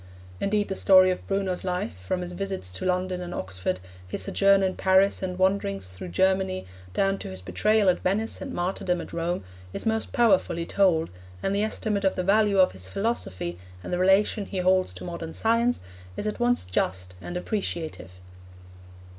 Indeed the story of Bruno's life, from his visit to London and Oxford, his sojourn in Paris and wanderings through Germany, down to his betrayal at Venice and martyrdom at Rome, is most powerfully told, and the estimate of the value of his philosophy and the relation he holds to modern science, is at once just and appreciative.